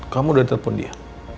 kamu udah telepon dia